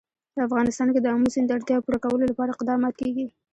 په افغانستان کې د آمو سیند د اړتیاوو پوره کولو لپاره اقدامات کېږي.